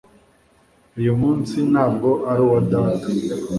Uyu munsi ntabwo ari uwa data